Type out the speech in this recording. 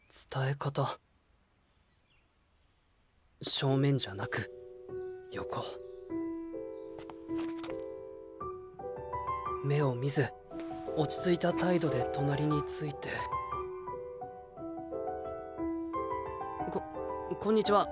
正面じゃなく横目を見ず落ち着いた態度で隣についてここんにちは。